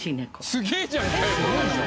すげえじゃんかよ！